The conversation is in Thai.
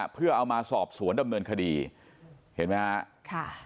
เพื่อเอามาสอบสวนดำเนินคดีเห็นไหมฮะค่ะ